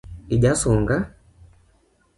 Ija sunga.